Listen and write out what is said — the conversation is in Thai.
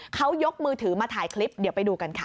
เขายกมือถือมาถ่ายคลิปเดี๋ยวไปดูกันค่ะ